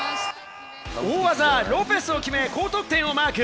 大技・ロペスを決め、高得点をマーク。